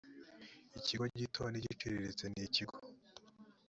ikigo gito n igiciriritse ni ikigo